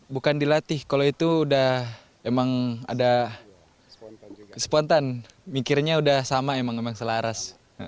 bukan dilatih kalau itu udah emang ada spontan mikirnya udah sama emang emang selaras